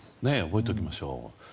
覚えておきましょう。